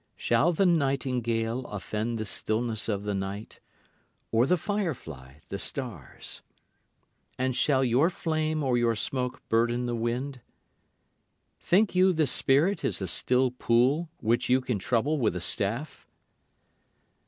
Shall the nightingale offend the stillness of the night, or the firefly the stars? And shall your flame or your smoke burden the wind? Think you the spirit is a still pool which you can trouble with a staff?